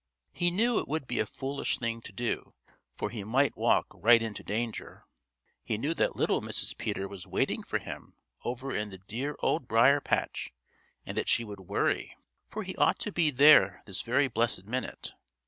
He knew it would be a foolish thing to do, for he might walk right into danger. He knew that little Mrs. Peter was waiting for him over in the dear Old Briar patch and that she would worry, for he ought to be there this very blessed minute.